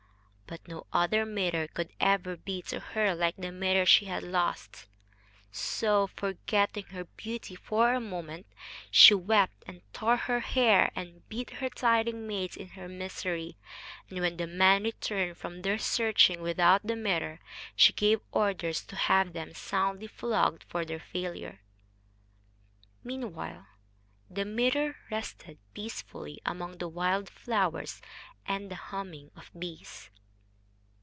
But no other mirror could ever be to her like the mirror she had lost. So, forgetting her beauty for a moment, she wept and tore her hair and beat her tiring maids in her misery; and when the men returned from their searching without the mirror, she gave orders to have them soundly flogged for their failure. Meanwhile the mirror rested peacefully among the wild flowers and the humming of bees.